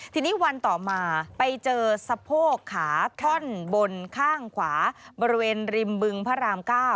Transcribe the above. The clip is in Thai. ทีนี้วันต่อมาไปเจอสะโพกขาท่อนบนข้างขวาบริเวณริมบึงพระราม๙